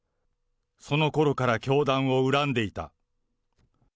そのころから教団を恨んでいた。